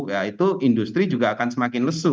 ya itu industri juga akan semakin lesu